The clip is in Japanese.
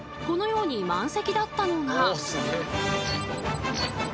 このように満席だったのが。